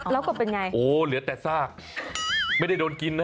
แล้วก็เป็นไงโอ้เหลือแต่ซากไม่ได้โดนกินนะ